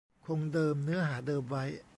คงเดิมเนื้อหาเดิมไว้